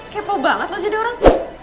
kepo banget loh jadi orang